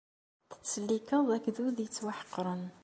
Tettsellikeḍ agdud yettwaḥeqren.